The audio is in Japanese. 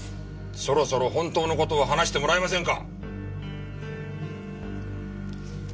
そろそろ本当の事を話してもらえませんか？